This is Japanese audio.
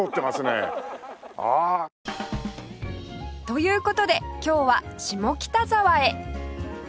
という事で今日は下北沢へ